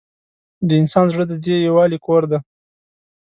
د انسان زړه د دې یووالي کور دی.